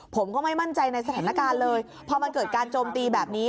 ผมก็ไม่มั่นใจในสถานการณ์เลยพอมันเกิดการโจมตีแบบนี้